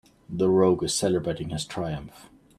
The rogue is celebrating his triumph.